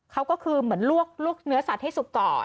เขาก็คือเหมือนลวกเนื้อสัตว์ให้สุกก่อน